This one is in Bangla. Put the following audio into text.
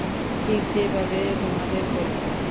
ঠিক যে ভাবে তোমাদের বললাম।